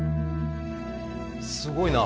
すごいな。